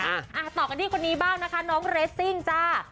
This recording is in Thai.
อ่ะต่อกันที่คนนี้บ้างนะคะน้องเรสซิ่งจ้า